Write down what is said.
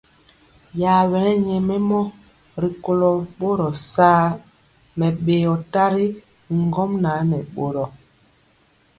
Yabɛne nyɛmemɔ rikolo boro saa mɛbeo tari bi ŋgomnaŋ nɛ boro.